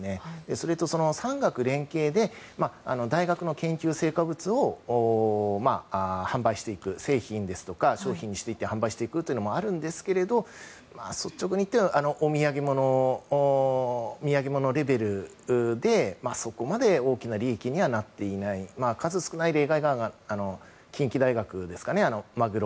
それと、産学連携で大学の研究成果物を販売していく製品や商品を販売していくというのはありますが率直に言って、土産物レベルでそこまで大きな利益にはなっていないその数少ない例外が近畿大学ですかね。